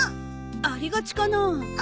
ありがちかなあ。